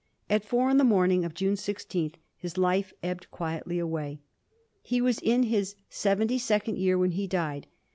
At four in the morn ing of June 16 his life ebbed quietly away. He was in his seventy second year when he died.